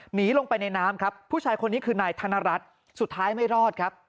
หนีลงไปในน้ำครับผู้ชายคนนี้คือนายธนรัฐสุดท้ายไม่รอดครับ